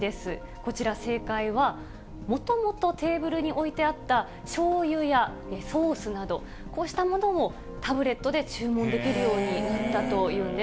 こちら、正解はもともとテーブルに置いてあったしょうゆやソースなど、こうしたものをタブレットで注文できるようになったというんです。